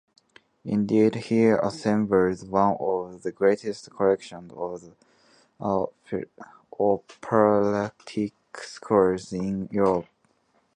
Indeed, he assembled one of the greatest collections of operatic scores in Europe.